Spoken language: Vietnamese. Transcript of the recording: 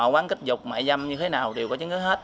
quán kích dục mại dâm như thế nào đều có chứng cứ hết